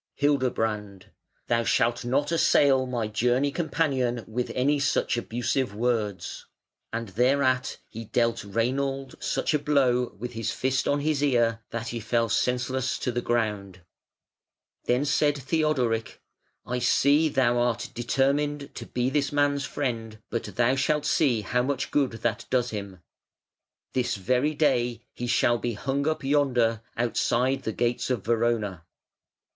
Hildebrand: "Thou shalt not assail my journey companion with any such abusive words". And thereat he dealt Reinald such a blow with his fist on his ear that he fell senseless to the ground. Then said Theodoric: "I see thou art determined to be this man's friend; but thou shalt see how much good that does him. This very day he shall be hung up yonder outside the gates of Verona".